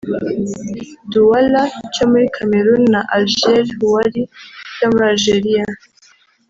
Douala cyo muri Cameroon na Algiers Houari cyo muri Algeriya